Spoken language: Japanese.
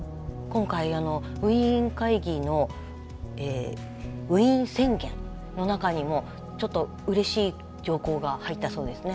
今回ウィーン会議のウィーン宣言の中にもちょっとうれしい条項が入ったそうですね。